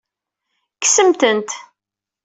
Kksemt-tent.